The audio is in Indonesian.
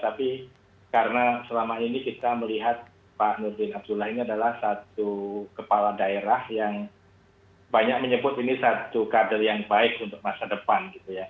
tapi karena selama ini kita melihat pak nurdin abdullah ini adalah satu kepala daerah yang banyak menyebut ini satu kader yang baik untuk masa depan